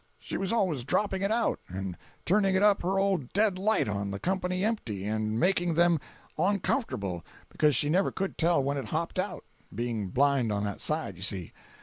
386.jpg (26K) She was always dropping it out, and turning up her old dead light on the company empty, and making them oncomfortable, becuz she never could tell when it hopped out, being blind on that side, you see.